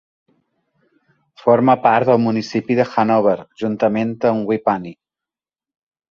Forma part del municipi de Hannover juntament amb Whippany.